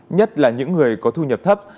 nhất là những người có thu nhập thấp